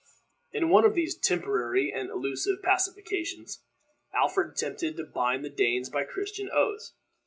In one of these temporary and illusive pacifications, Alfred attempted to bind the Danes by Christian oaths.